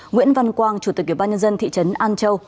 nguyễn văn quang chủ tịch ubnd thị trấn an châu